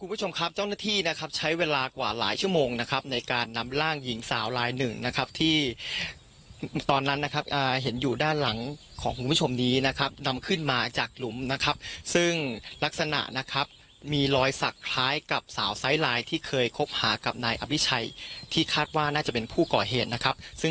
คุณผู้ชมครับเจ้าหน้าที่นะครับใช้เวลากว่าหลายชั่วโมงนะครับในการนำร่างหญิงสาวลายหนึ่งนะครับที่ตอนนั้นนะครับเห็นอยู่ด้านหลังของคุณผู้ชมนี้นะครับนำขึ้นมาจากหลุมนะครับซึ่งลักษณะนะครับมีรอยสักคล้ายกับสาวไซส์ลายที่เคยคบหากับนายอภิชัยที่คาดว่าน่าจะเป็นผู้ก่อเหตุนะครับซึ่งค